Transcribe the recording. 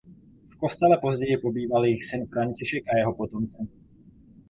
V kostele později pobýval jejich syn František a jeho potomci.